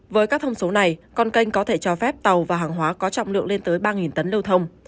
với các thông số này con kênh có thể cho phép tàu và hàng hóa có trọng lượng lên tới ba tấn lưu thông